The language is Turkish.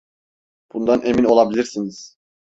Bundan emin olabilirsiniz.